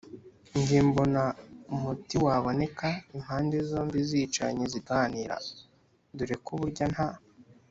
njye mbona umuti waboneka impande zombi zicaranye ziganira; dore ko burya nta